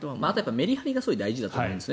メリハリが大事だと思うんです。